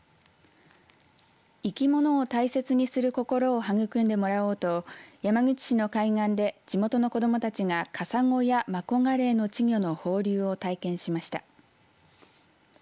生き物を大切にする心を育んでもらおうと山口市の海岸で地元の子どもたちがカサゴやマコガレイの稚魚の放流を体験しました。